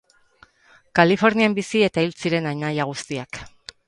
Kalifornian bizi eta hil ziren anaia guztiak.